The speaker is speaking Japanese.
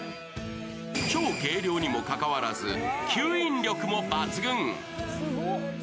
超軽量にもかかわらず、吸引力も抜群。